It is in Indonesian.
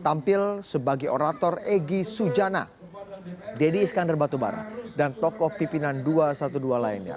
tampil sebagai orator egy sujana deddy iskandar batubara dan tokoh pimpinan dua ratus dua belas lainnya